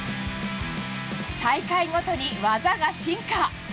大会ごとに技が進化。